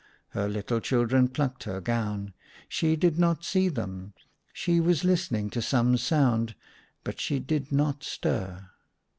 Her little children plucked her gown ; she did not see them ; she was listening to some sound, but she did not stir.